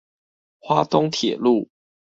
花東鐵路